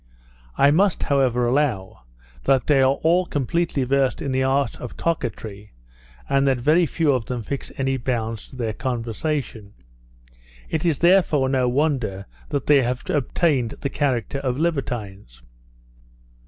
I must however allow, that they are all completely versed in the art of coquetry, and that very few of them fix any bounds to their conversation. It is therefore no wonder that they have obtained the character of libertines.